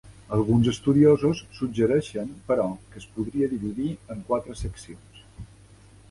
Alguns estudiosos suggereixen però que es podria dividir en quatre seccions.